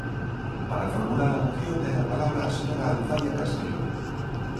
Para formular a moción ten a palabra a señora Alfaia Castelo.